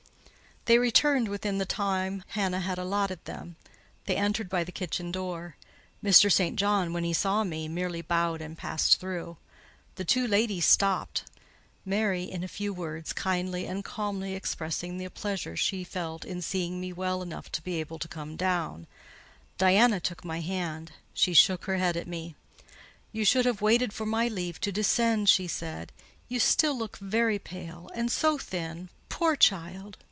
They returned within the time Hannah had allotted them: they entered by the kitchen door. Mr. St. John, when he saw me, merely bowed and passed through; the two ladies stopped: Mary, in a few words, kindly and calmly expressed the pleasure she felt in seeing me well enough to be able to come down; Diana took my hand: she shook her head at me. "You should have waited for my leave to descend," she said. "You still look very pale—and so thin! Poor child!